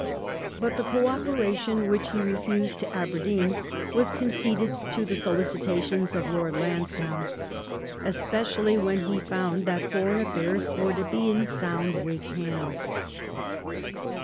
But the co operation which he refused to Aberdeen was conceded to the solicita tions of Lord Lansdowne, especially when he found that foreign affairs were to be in sound Whig hands.